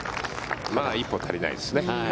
一歩足りないですね。